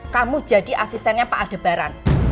kamu jadi asistennya pak adebaran